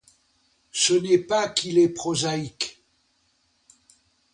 Ce n'est pas qu'il est prosaïque.